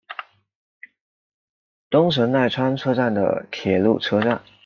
东神奈川车站的铁路车站。